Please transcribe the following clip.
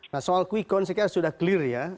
nah soal qicon sekarang sudah clear ya